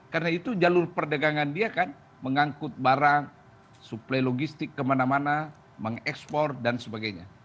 karena itu jalur perdagangan dia kan mengangkut barang suplai logistik kemana mana mengekspor dan sebagainya